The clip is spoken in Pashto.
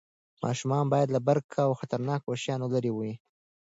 ماشومان باید له برق او خطرناکو شیانو لرې وي.